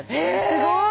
すごい。